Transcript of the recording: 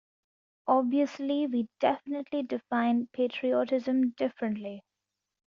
Obviously we definitely define patriotism differently.